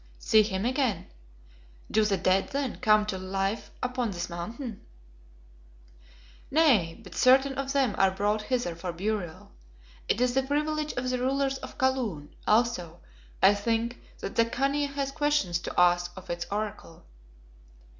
"See him again? Do the dead, then, come to life upon this Mountain?" "Nay, but certain of them are brought hither for burial. It is the privilege of the rulers of Kaloon; also, I think, that the Khania has questions to ask of its Oracle."